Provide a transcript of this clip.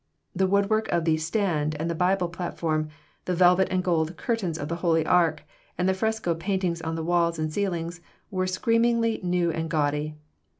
The woodwork of the "stand" and the bible platform, the velvet and gold curtains of the Holy Ark, and the fresco paintings on the walls and ceiling were screamingly new and gaudy.